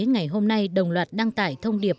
ngày hôm nay đồng loạt đăng tải thông điệp